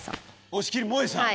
押切もえさん。